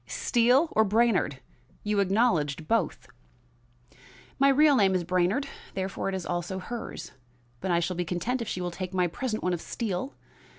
Steele or Brainard? You acknowledged both." "My real name is Brainard; therefore, it is also hers. But I shall be content if she will take my present one of Steele.